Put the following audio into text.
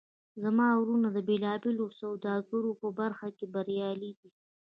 زما وروڼه د بیلابیلو سوداګریو په برخه کې بریالي دي